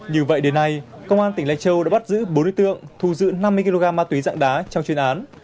như vậy đến nay công an tỉnh lai châu đã bắt giữ bốn đối tượng thu giữ năm mươi kg ma túy dạng đá trong chuyên án